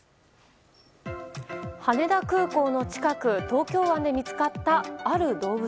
羽田空港の近く東京湾で見つかったある動物。